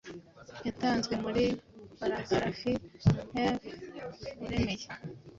yatanzwe muri paragarafi f uremeye